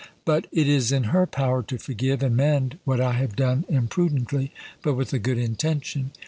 But it is in her power to forgive and mend what I have done imprudently, but with a good intention.